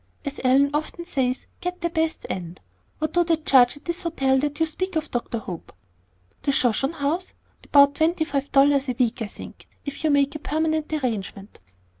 As Ellen often says, get the best and What do they charge at this hotel that you speak of, Dr. Hope?" "The Shoshone House? About twenty five dollars a week, I think, if you make a permanent arrangement."